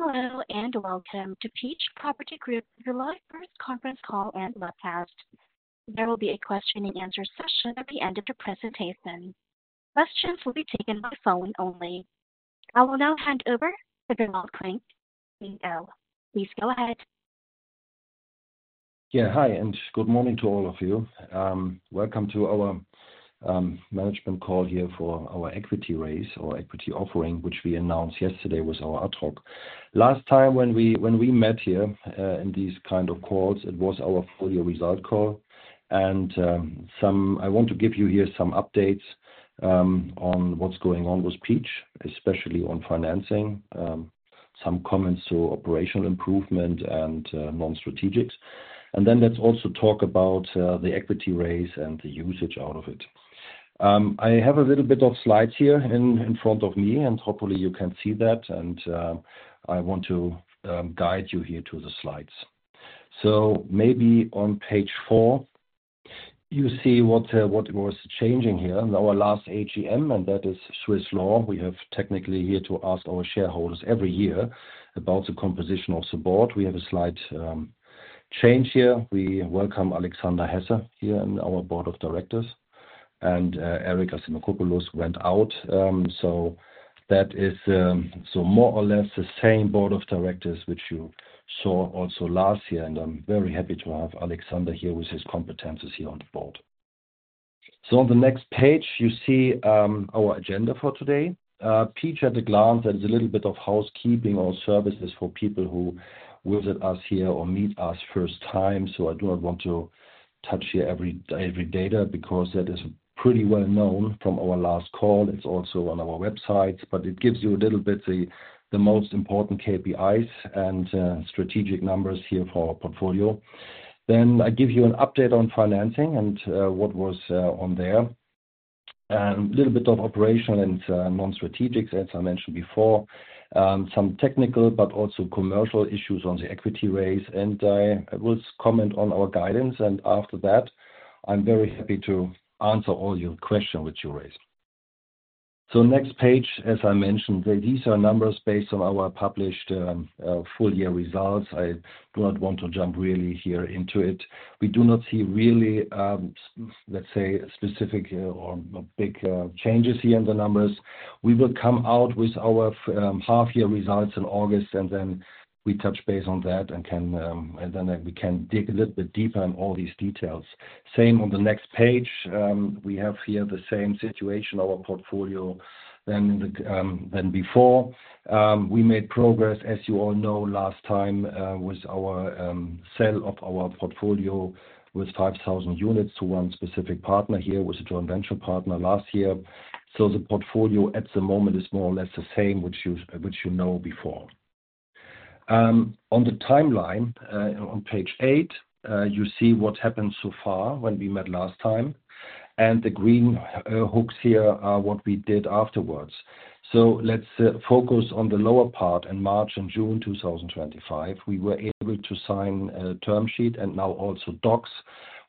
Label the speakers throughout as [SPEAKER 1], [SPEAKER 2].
[SPEAKER 1] Hello and welcome to Peach Property Group's July 1st conference call and webcast. There will be a question-and-answer session at the end of the presentation. Questions will be taken by phone only. I will now hand over to Gerald Klinck, CEO. Please go ahead.
[SPEAKER 2] Yeah, hi, and good morning to all of you. Welcome to our management call here for our equity raise or equity offering, which we announced yesterday with our ad hoc. Last time when we met here in these kind of calls, it was our full-year result call. I want to give you here some updates on what's going on with Peach, especially on financing, some comments to operational improvement and non-strategics. Let's also talk about the equity raise and the usage out of it. I have a little bit of slides here in front of me, and hopefully you can see that. I want to guide you here to the slides. Maybe on page four, you see what was changing here in our last AGM, and that is Swiss law. We have technically here to ask our shareholders every year about the composition of the board. We have a slight change here. We welcome Alexander Hesser here in our board of directors, and Eric Asimakopoulos went out. That is more or less the same board of directors which you saw also last year. I am very happy to have Alexander here with his competencies here on the board. On the next page, you see our agenda for today. Peach, at a glance, that is a little bit of housekeeping or services for people who visit us here or meet us first time. I do not want to touch here every data because that is pretty well known from our last call. It is also on our websites, but it gives you a little bit the most important KPIs and strategic numbers here for our portfolio. I give you an update on financing and what was on there, a little bit of operational and non-strategics, as I mentioned before. Some technical but also commercial issues on the equity raise. I will comment on our guidance. After that, I'm very happy to answer all your questions which you raise. Next page, as I mentioned, these are numbers based on our published full-year results. I do not want to jump really here into it. We do not see really, let's say, specific or big changes here in the numbers. We will come out with our half-year results in August, and then we touch base on that and can, and then we can dig a little bit deeper in all these details. Same on the next page. We have here the same situation, our portfolio than in the, than before. We made progress, as you all know, last time, with our sale of our portfolio with 5,000 units to one specific partner here with a joint venture partner last year. The portfolio at the moment is more or less the same which you know before. On the timeline, on page eight, you see what happened so far when we met last time. The green hooks here are what we did afterwards. Let's focus on the lower part in March and June 2025. We were able to sign a term sheet and now also docs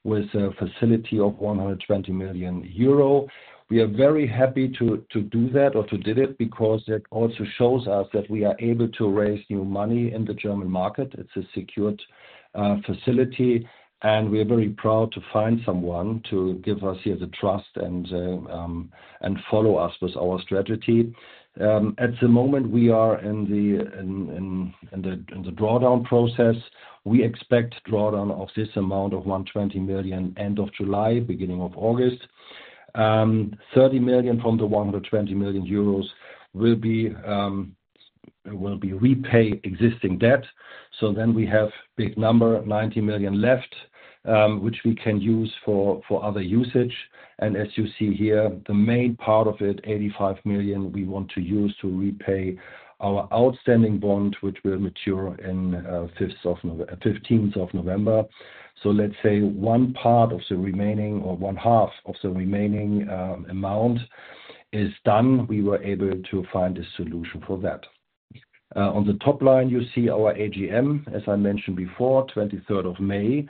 [SPEAKER 2] with a facility of 120 million euro. We are very happy to do that or to did it because that also shows us that we are able to raise new money in the German market. It's a secured facility. We are very proud to find someone to give us here the trust and follow us with our strategy. At the moment, we are in the drawdown process. We expect drawdown of this amount of 120 million end of July, beginning of August. 30 million from the 120 million euros will be used to repay existing debt. We have a big number, 90 million left, which we can use for other usage. As you see here, the main part of it, 85 million, we want to use to repay our outstanding bond, which will mature in fifth of November, fifteenth of November. Let's say one part of the remaining or one half of the remaining amount is done. We were able to find a solution for that. On the top line, you see our AGM, as I mentioned before, 23rd of May.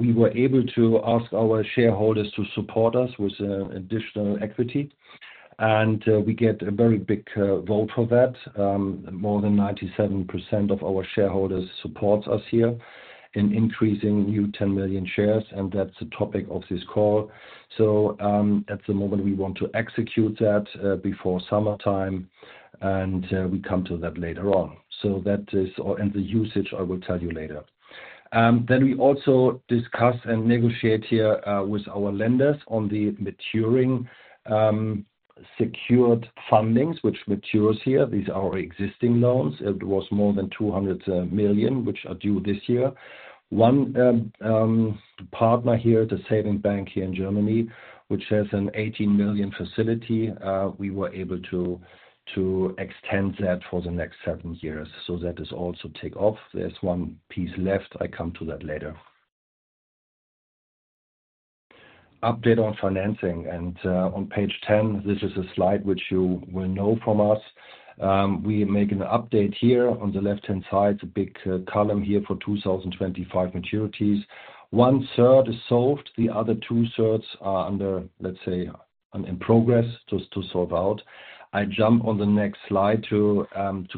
[SPEAKER 2] We were able to ask our shareholders to support us with additional equity. We get a very big vote for that. More than 97% of our shareholders support us here in increasing new 10 million shares. That is the topic of this call. At the moment, we want to execute that before summertime. We come to that later on. That is, or, and the usage, I will tell you later. We also discuss and negotiate here with our lenders on the maturing, secured fundings which matures here. These are our existing loans. It was more than 200 million, which are due this year. One partner here, the saving bank here in Germany, which has an 18 million facility. We were able to extend that for the next seven years. That is also take off. There is one piece left. I come to that later. Update on financing. On page 10, this is a slide which you will know from us. We make an update here on the left-hand side. It is a big column here for 2025 maturities. One third is solved. The other two thirds are under, let's say, in progress to sort out. I jump on the next slide to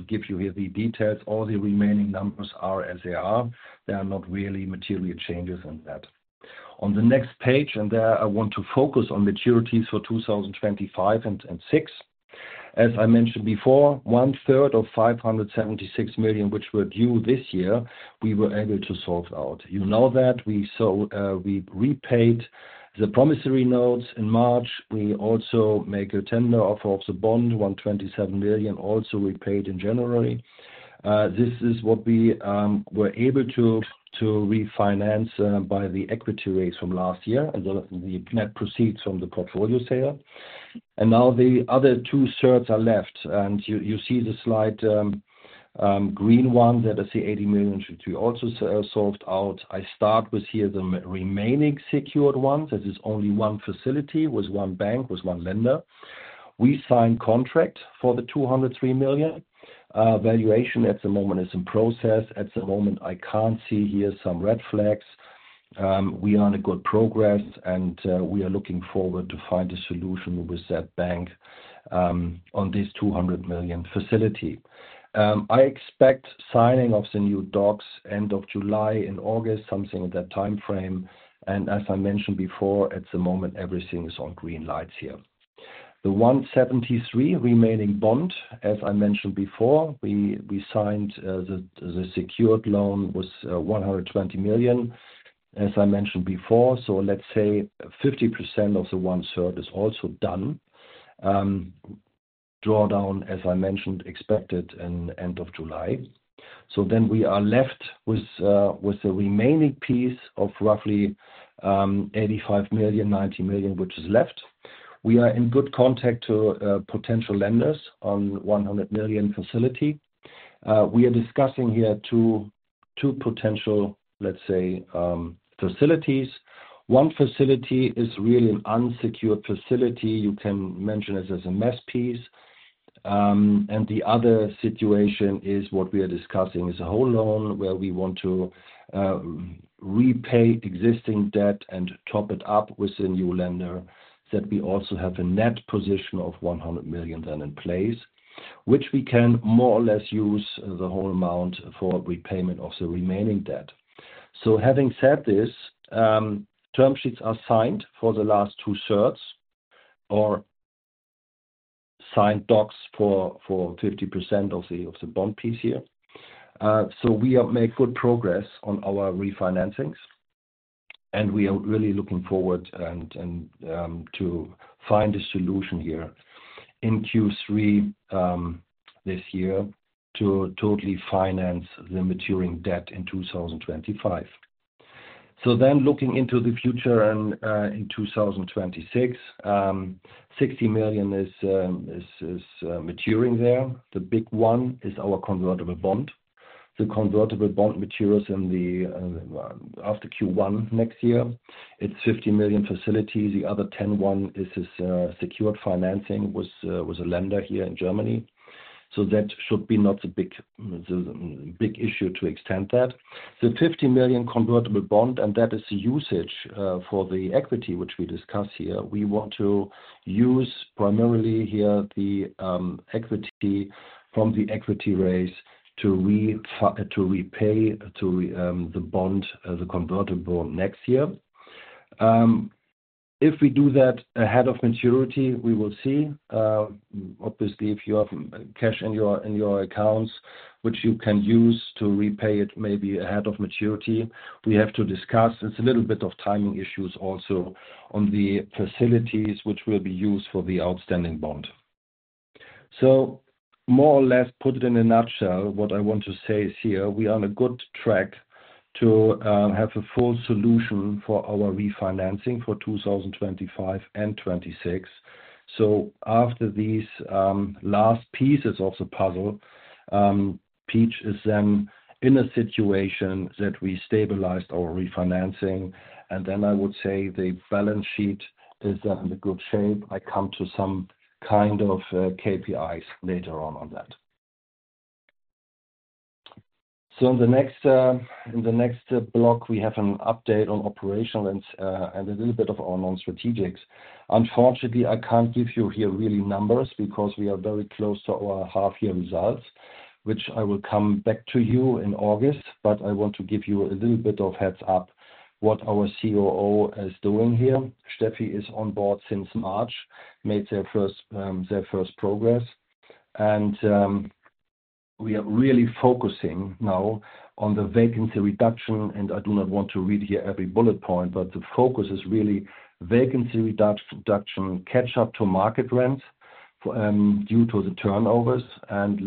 [SPEAKER 2] give you here the details. All the remaining numbers are as they are. There are not really material changes in that. On the next page, and there I want to focus on maturities for 2025 and 2026. As I mentioned before, one third of 576 million, which were due this year, we were able to sort out. You know that we sold, we repaid the promissory notes in March. We also make a tender offer of the bond, 127 million, also repaid in January. This is what we were able to refinance by the equity raise from last year and the net proceeds from the portfolio sale. Now the other two thirds are left. You see the slide, green one, that is the EUR 80 million which we also solved out. I start with here the remaining secured ones. This is only one facility with one bank, with one lender. We signed contract for the 203 million. Valuation at the moment is in process. At the moment, I cannot see here some red flags. We are in good progress. We are looking forward to find a solution with that bank on this 200 million facility. I expect signing of the new docs end of July, in August, something in that time frame. As I mentioned before, at the moment, everything is on green lights here. The 173 million remaining bond, as I mentioned before, we signed the secured loan, 120 million, as I mentioned before. Let's say 50% of the one third is also done. Drawdown, as I mentioned, expected in end of July. We are left with the remaining piece of roughly 85 million-90 million, which is left. We are in good contact with potential lenders on a 100 million facility. We are discussing here two potential, let's say, facilities. One facility is really an unsecured facility. You can mention it as a mezz piece. The other situation is what we are discussing is a whole loan where we want to repay existing debt and top it up with a new lender that we also have a net position of 100 million then in place, which we can more or less use the whole amount for repayment of the remaining debt. Having said this, term sheets are signed for the last two-thirds or signed docs for 50% of the bond piece here. We are making good progress on our refinancings. We are really looking forward to find a solution here in Q3 this year to totally finance the maturing debt in 2025. Looking into the future, in 2026, 60 million is maturing there. The big one is our convertible bond. The convertible bond matures after Q1 next year. It's 50 million facility. The other 10 million is this secured financing with a lender here in Germany. That should not be a big issue to extend that. The 50 million convertible bond, and that is the usage for the equity which we discuss here. We want to use primarily the equity from the equity raise to repay the bond, the convertible, next year. If we do that ahead of maturity, we will see. Obviously, if you have cash in your accounts, which you can use to repay it maybe ahead of maturity, we have to discuss. It's a little bit of timing issues also on the facilities which will be used for the outstanding bond. More or less, put it in a nutshell, what I want to say is here, we are on a good track to have a full solution for our refinancing for 2025 and 2026. After these last pieces of the puzzle, Peach is then in a situation that we stabilized our refinancing. I would say the balance sheet is in good shape. I come to some kind of KPIs later on on that. In the next block, we have an update on operational and a little bit of our non-strategics. Unfortunately, I cannot give you here really numbers because we are very close to our half-year results, which I will come back to you in August. I want to give you a little bit of heads up what our COO is doing here. Steffi is on board since March, made their first, their first progress. We are really focusing now on the vacancy reduction. I do not want to read here every bullet point, but the focus is really vacancy reduction, catch-up to market rents, due to the turnovers.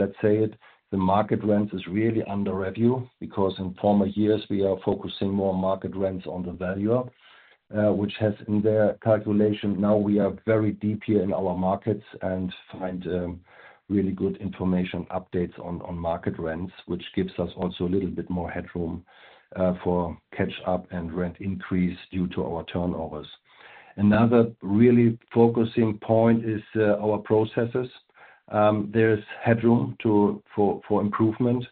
[SPEAKER 2] Let's say it, the market rents is really under review because in former years, we are focusing more on market rents on the value, which has in their calculation. Now we are very deep here in our markets and find really good information updates on market rents, which gives us also a little bit more headroom for catch-up and rent increase due to our turnovers. Another really focusing point is our processes. There's headroom to, for, for improvement.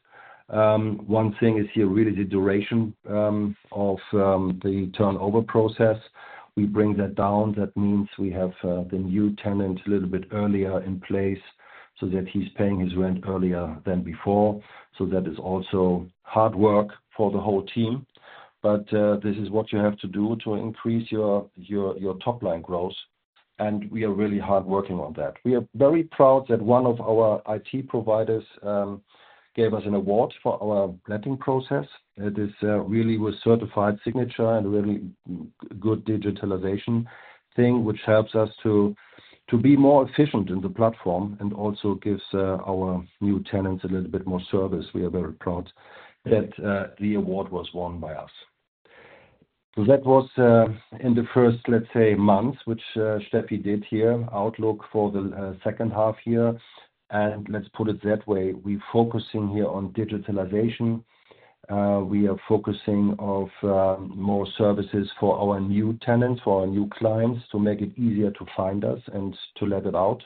[SPEAKER 2] One thing is here really the duration of the turnover process. We bring that down. That means we have the new tenant a little bit earlier in place so that he's paying his rent earlier than before. That is also hard work for the whole team. This is what you have to do to increase your top line growth. We are really hard working on that. We are very proud that one of our IT providers gave us an award for our letting process. It is really with certified signature and really good digitalization thing, which helps us to be more efficient in the platform and also gives our new tenants a little bit more service. We are very proud that the award was won by us. That was in the first, let's say, months which Steffi did here, outlook for the second half year. Let's put it that way. We're focusing here on digitalization. We are focusing on more services for our new tenants, for our new clients to make it easier to find us and to let it out.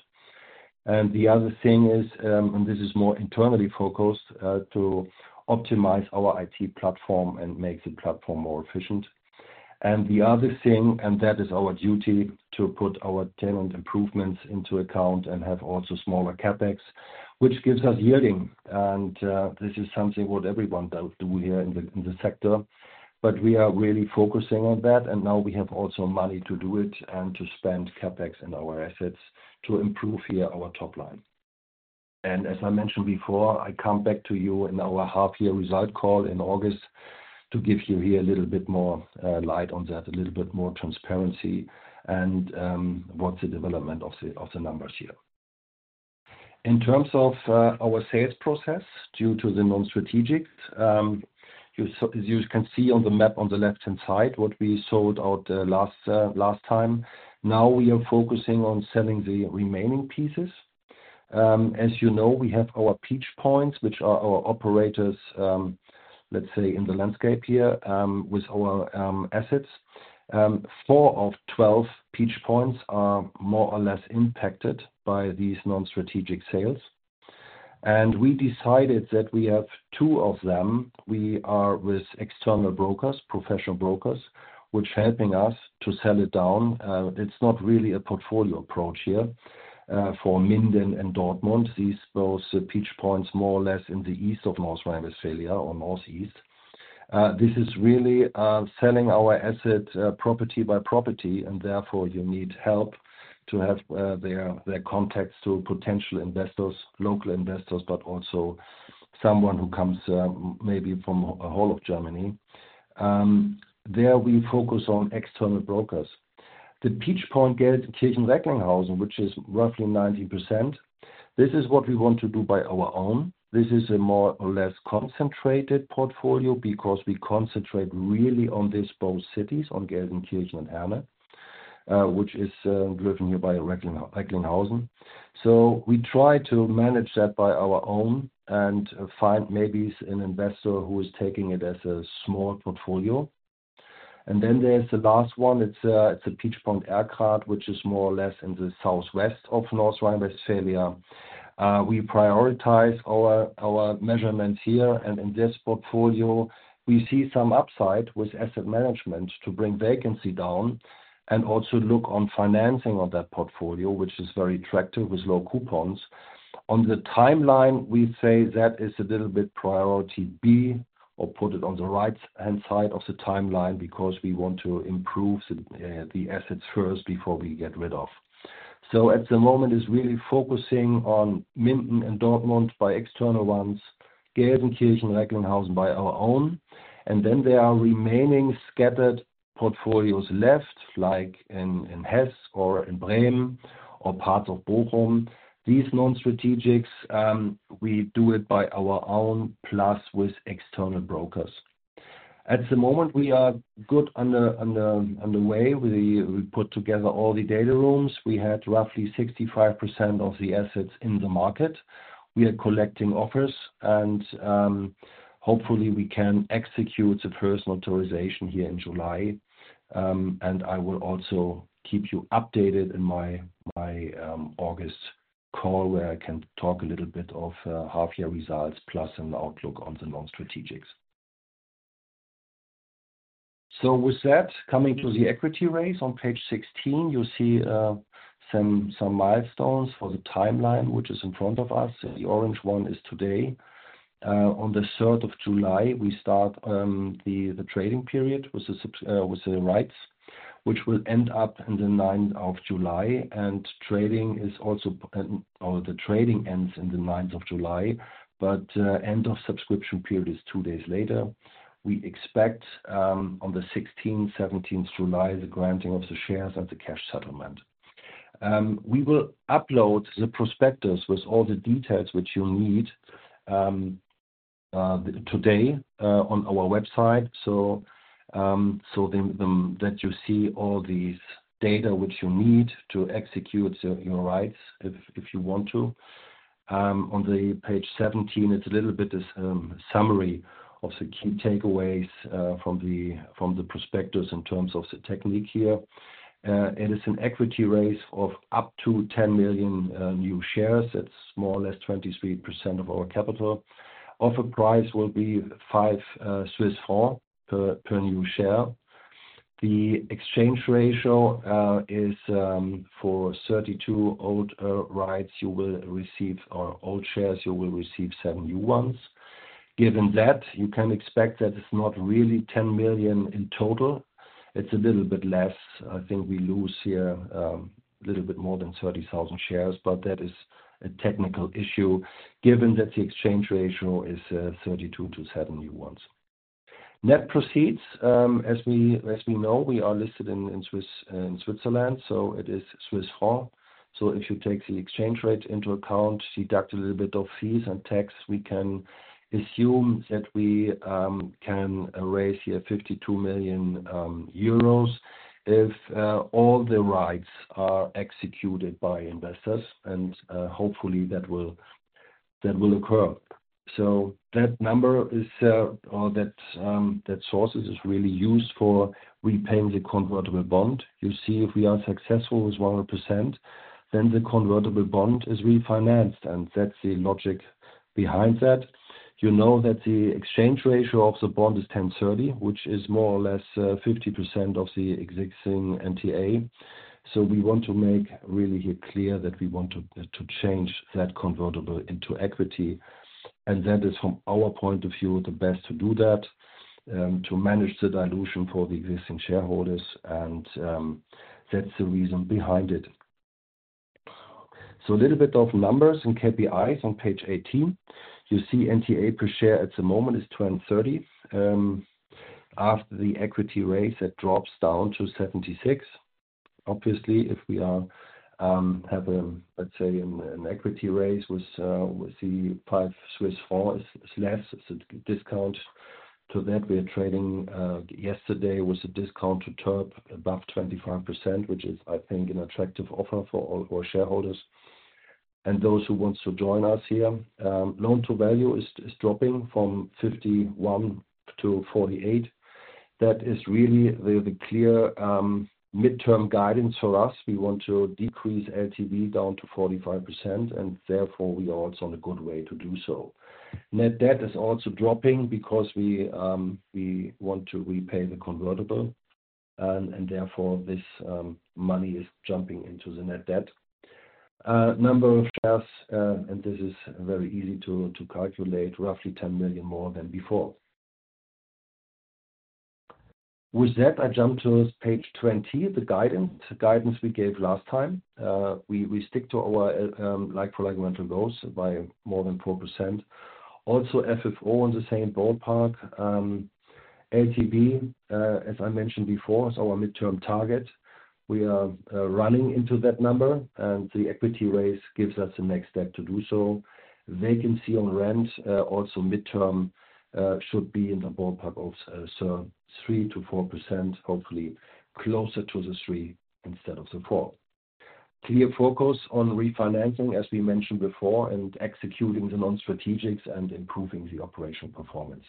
[SPEAKER 2] The other thing is, and this is more internally focused, to optimize our IT platform and make the platform more efficient. The other thing, and that is our duty, is to put our tenant improvements into account and have also smaller CapEx, which gives us yielding. This is something what everyone does here in the sector. We are really focusing on that. Now we have also money to do it and to spend CapEx in our assets to improve here our top line. As I mentioned before, I come back to you in our half-year result call in August to give you here a little bit more light on that, a little bit more transparency and what is the development of the numbers here. In terms of our sales process due to the non-strategics, you can see on the map on the left-hand side what we sold out the last time. Now we are focusing on selling the remaining pieces. As you know, we have our Peach Points, which are our operators, let's say in the landscape here, with our assets. Four of 12 Peach Points are more or less impacted by these non-strategic sales. We decided that we have two of them. We are with external brokers, professional brokers, which are helping us to sell it down. It is not really a portfolio approach here for Minden and Dortmund. These both Peach Points, more or less in the east of North Rhine-Westphalia or northeast, this is really selling our asset property by property. Therefore, you need help to have their contacts to potential investors, local investors, but also someone who comes maybe from all of Germany. There we focus on external brokers. The Peach Point Gelsenkirchen-Recklinghausen, which is roughly 90%, this is what we want to do by our own. This is a more or less concentrated portfolio because we concentrate really on these both cities, on Gelsenkirchen and Herne, which is driven here by Recklinghausen. We try to manage that by our own and find maybe an investor who is taking it as a small portfolio. Then there's the last one. It's a Peach Point Aircart, which is more or less in the southwest of North Rhine-Westphalia. We prioritize our measurements here. In this portfolio, we see some upside with asset management to bring vacancy down and also look on financing on that portfolio, which is very attractive with low coupons. On the timeline, we say that is a little bit priority B or put it on the right-hand side of the timeline because we want to improve the assets first before we get rid of. At the moment, it is really focusing on Minden and Dortmund by external ones, Gelsenkirchen-Recklinghausen by our own. There are remaining scattered portfolios left, like in Hessen or in Bremen or parts of Bochum. These non-strategics, we do it by our own plus with external brokers. At the moment, we are good on the way. We put together all the data rooms. We had roughly 65% of the assets in the market. We are collecting offers and, hopefully, we can execute the first notarization here in July. I will also keep you updated in my August call where I can talk a little bit of half-year results plus an outlook on the non-strategics. With that, coming to the equity raise on page 16, you see some milestones for the timeline, which is in front of us. The orange one is today. On the 3rd of July, we start the trading period with the rights, which will end up in the 9th of July. Trading is also, or the trading ends in the 9th of July. The end of subscription period is two days later. We expect, on the 16th-17th of July, the granting of the shares and the cash settlement. We will upload the prospectus with all the details which you need today on our website. That way, you see all these data which you need to execute your rights if you want to. On page 17, it's a little bit this summary of the key takeaways from the prospectus in terms of the technique here. It is an equity raise of up to 10 million new shares. It's more or less 23% of our capital. Offer price will be 5 Swiss francs per new share. The exchange ratio is for 32 old rights, or old shares, you will receive seven new ones. Given that, you can expect that it's not really 10 million in total. It's a little bit less. I think we lose here a little bit more than 30,000 shares, but that is a technical issue given that the exchange ratio is 32 to 7 new ones. Net proceeds, as we know, we are listed in Switzerland. So it is CHF. If you take the exchange rate into account, deduct a little bit of fees and tax, we can assume that we can raise here 52 million euros if all the rights are executed by investors. Hopefully that will occur. That number is, or that source is really used for repaying the convertible bond. You see if we are successful with 1%, then the convertible bond is refinanced. That is the logic behind that. You know that the exchange ratio of the bond is 1030, which is more or less 50% of the existing NTA. We want to make really here clear that we want to, to change that convertible into equity. That is from our point of view, the best to do that, to manage the dilution for the existing shareholders. That is the reason behind it. A little bit of numbers and KPIs on page 18. You see NTA per share at the moment is 1230. After the equity raise, it drops down to 76. Obviously, if we are, have a, let's say, an equity raise with the 5 Swiss francs is less. Discount to that, we are trading yesterday with a discount to TERP above 25%, which is, I think, an attractive offer for all our shareholders. Those who want to join us here, loan to value is dropping from 51% to 48%. That is really the clear, midterm guidance for us. We want to decrease LTV down to 45%. Therefore, we are also on a good way to do so. Net debt is also dropping because we want to repay the convertible. Therefore, this money is jumping into the net debt. Number of shares, and this is very easy to calculate, roughly 10 million more than before. With that, I jump to page 20, the guidance, the guidance we gave last time. We stick to our like-for-like mental goals by more than 4%. Also, FFO on the same ballpark. LTV, as I mentioned before, is our midterm target. We are running into that number. The equity raise gives us the next step to do so. Vacancy on rent, also midterm, should be in the ballpark of 3-4%, hopefully closer to the 3 instead of the 4. Clear focus on refinancing, as we mentioned before, and executing the non-strategics and improving the operational performance.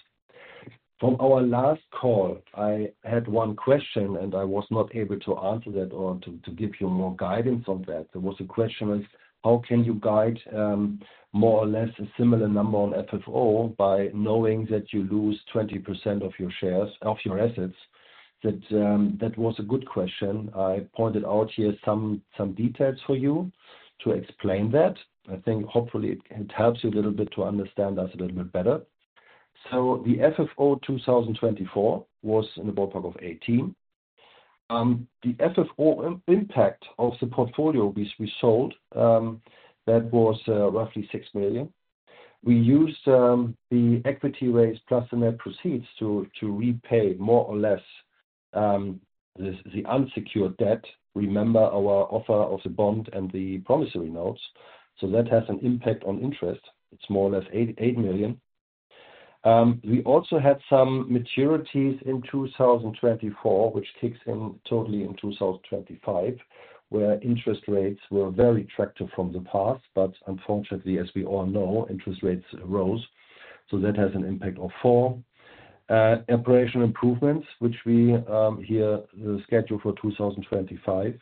[SPEAKER 2] From our last call, I had one question and I was not able to answer that or to give you more guidance on that. There was a question as, how can you guide, more or less a similar number on FFO by knowing that you lose 20% of your shares of your assets? That was a good question. I pointed out here some details for you to explain that. I think hopefully it helps you a little bit to understand us a little bit better. The FFO 2024 was in the ballpark of 18. The FFO impact of the portfolio we sold, that was roughly 6 million. We used the equity raise plus the net proceeds to repay more or less the unsecured debt. Remember our offer of the bond and the promissory notes. That has an impact on interest. It is more or less 8 million. We also had some maturities in 2024, which kicks in totally in 2025, where interest rates were very attractive from the past. Unfortunately, as we all know, interest rates rose. That has an impact of 4 million. Operational improvements, which we, here, the schedule for 2025,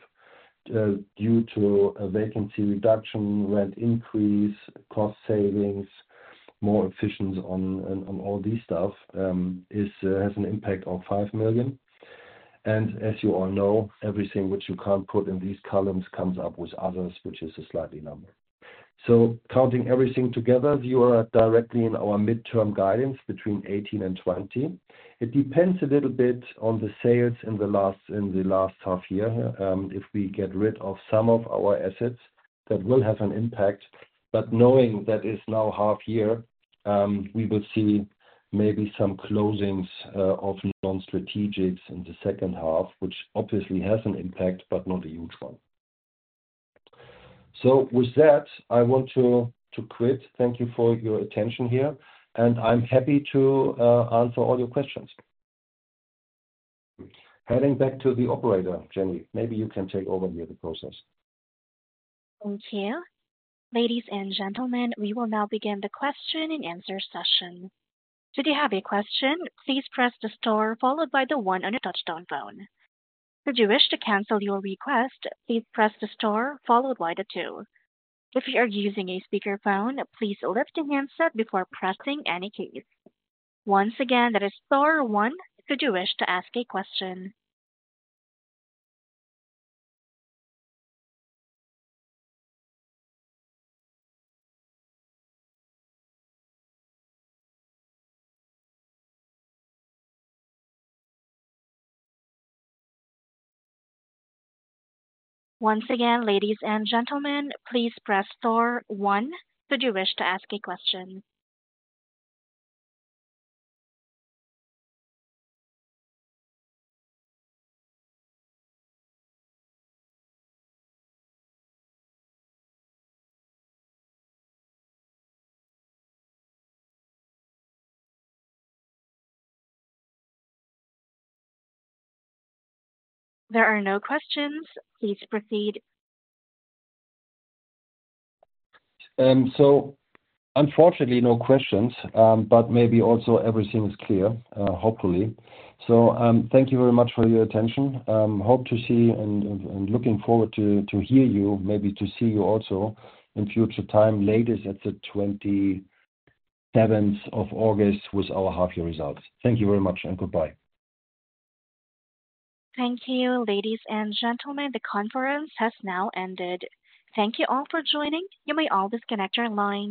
[SPEAKER 2] due to a vacancy reduction, rent increase, cost savings, more efficiency on all these stuff, has an impact on 5 million. As you all know, everything which you cannot put in these columns comes up with others, which is a slight number. Counting everything together, you are directly in our midterm guidance between 18 million and 20 million. It depends a little bit on the sales in the last half year. If we get rid of some of our assets, that will have an impact. But knowing that is now half year, we will see maybe some closings of non-strategics in the second half, which obviously has an impact, but not a huge one. With that, I want to quit. Thank you for your attention here. I'm happy to answer all your questions. Heading back to the operator. Jenny, maybe you can take over here the process.
[SPEAKER 1] Thank you. Ladies and gentlemen, we will now begin the question and answer session. Should you have a question, please press the star followed by the one on your touch-tone phone. Should you wish to cancel your request, please press the star followed by the two. If you are using a speakerphone, please lift the handset before pressing any keys. Once again, that is star one. Should you wish to ask a question? Once again, ladies and gentlemen, please press star one. Should you wish to ask a question? There are no questions. Please proceed.
[SPEAKER 2] Unfortunately, no questions, but maybe also everything is clear, hopefully. Thank you very much for your attention. Hope to see and, and looking forward to, to hear you, maybe to see you also in future time, ladies, at the 27th of August with our half-year results. Thank you very much and goodbye.
[SPEAKER 1] Thank you, ladies and gentlemen. The conference has now ended. Thank you all for joining. You may always connect your line.